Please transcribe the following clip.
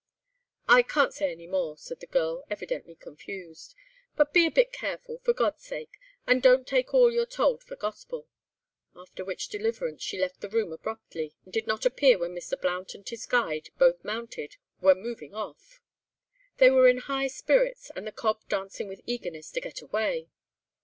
"I can't say any more," said the girl, evidently confused. "But be a bit careful, for God's sake, and don't take all you're told for gospel;" after which deliverance she left the room abruptly and did not appear when Mr. Blount and his guide, both mounted, were moving off. They were in high spirits, and the cob dancing with eagerness to get away.